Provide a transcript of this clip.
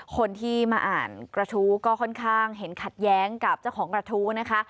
คนที่มาอ่านกระทู้ก็ค่อนข้างเห็นขัดแย้งกับเจ้าของกระทู้นะคะ